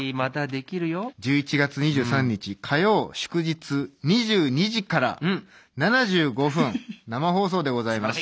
１１月２３日火曜祝日２２時から７５分生放送でございます。